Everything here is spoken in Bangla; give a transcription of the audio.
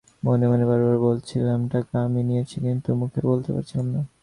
মনে মনে বারবার বলছিলাম টাকা আমি নিয়েছি, কিন্তু মুখে বলতে পারছিলাম না।